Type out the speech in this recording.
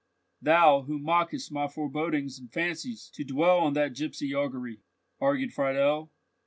"Thou, who mockest my forebodings and fancies, to dwell on that gipsy augury!" argued Friedel.